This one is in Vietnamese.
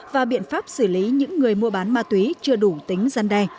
và biện pháp xử lý những người mua bán ma túy chưa đủ tính gian đe